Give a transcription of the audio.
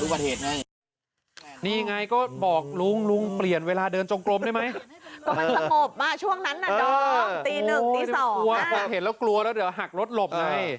แต่ก็ย้ำกับลุงนี่ไงว่าก็บอกลุงลุงเปลี่ยนเวลาเดินจงกลมได้ไหม